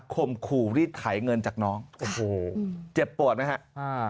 มขู่รีดไถเงินจากน้องโอ้โหเจ็บปวดไหมฮะอ่า